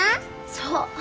そう！